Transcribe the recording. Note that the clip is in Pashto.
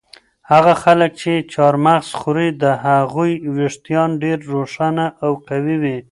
هغه خلک چې چهارمغز خوري د هغوی ویښتان ډېر روښانه او قوي وي.